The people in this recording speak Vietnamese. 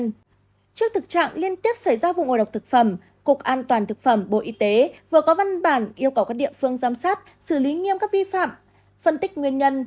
trước thực trạng liên tiếp xảy ra vụ ngộ độc thực phẩm cục an toàn thực phẩm bộ y tế vừa có văn bản yêu cầu các địa phương giám sát xử lý nghiêm các vi phạm phân tích nguyên nhân